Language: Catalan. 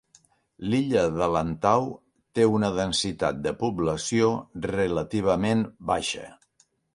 L'illa de Lantau té una densitat de població relativament baixa.